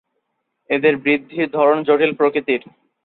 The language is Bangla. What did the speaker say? এদের বৃদ্ধির ধরন জটিল প্রকৃতির।